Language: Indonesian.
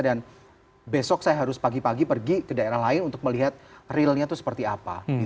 dan besok saya harus pagi pagi pergi ke daerah lain untuk melihat realnya itu seperti apa